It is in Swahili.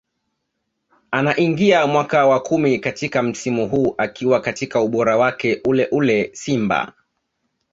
Anaingia mwaka wa kumi katika msimu huu akiwa katika ubora ule ule Simba